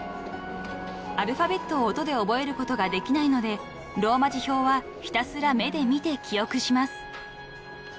［アルファベットを音で覚えることができないのでローマ字表はひたすら目で見て記憶します］